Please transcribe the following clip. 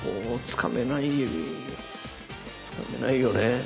つかめないよね。